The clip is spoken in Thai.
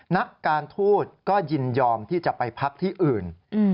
นักการทูตก็ยินยอมที่จะไปพักที่อื่น